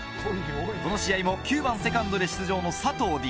この試合も９番セカンドで出場の佐藤Ｄ。